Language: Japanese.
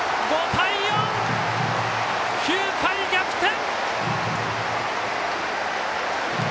５対４！９回、逆転！